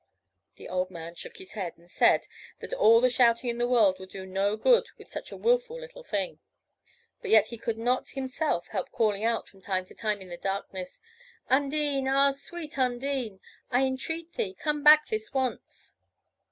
The old man shook his head, and said that all the shouting in the world would do no good with such a wilful little thing. But yet he could not himself help calling out from time to time in the darkness: "Undine! ah, sweet Undine! I entreat thee, come back this once."